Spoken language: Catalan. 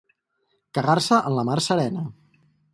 Cagar-se en la mar serena.